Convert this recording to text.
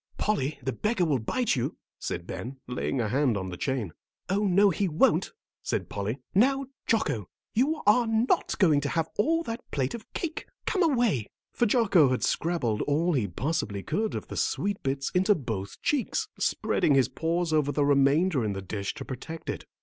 "Polly, the beggar will bite you," said Ben, laying a hand on the chain. "Oh, no, he won't," said Polly. "Now, Jocko, you are not going to have all that plate of cake. Come away," for Jocko had scrabbled all he possibly could of the sweet bits into both cheeks, spreading his paws over the remainder in the dish to protect it.